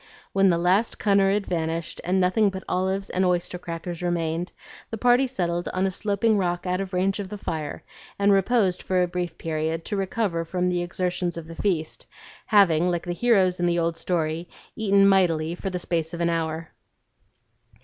When the last cunner had vanished and nothing but olives and oyster crackers remained, the party settled on a sloping rock out of range of the fire, and reposed for a brief period to recover from the exertions of the feast, having, like the heroes in the old story, "eaten mightily for the space of an hour."